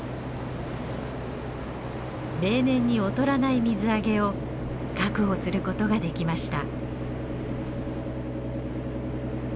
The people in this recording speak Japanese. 例年に劣らない水揚げを確保することができました。